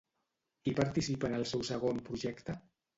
Qui participa en el seu segon projecte?